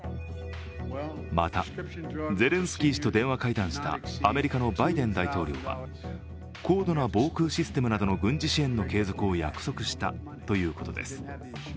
またゼレンスキー氏と電話会談したアメリカのバイデン大統領は高度な防空システムなどの軍事支援の継続を約束したということです。